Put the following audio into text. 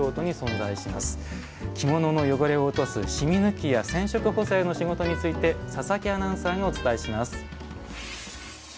着物の汚れを落とす染み抜きや染色補正の仕事について佐々木アナウンサーがお伝えします。